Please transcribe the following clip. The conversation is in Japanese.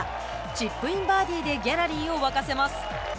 チップインバーディーでギャラリーを沸かせます。